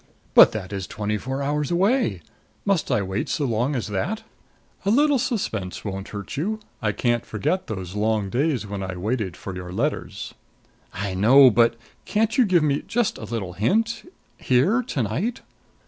"But that is twenty four hours away! Must I wait so long as that?" "A little suspense won't hurt you. I can't forget those long days when I waited for your letters " "I know! But can't you give me just a little hint here to night?"